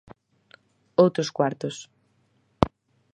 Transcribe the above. Outros cuartos.